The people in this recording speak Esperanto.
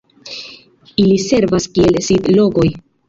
Ili servas kiel sidlokoj.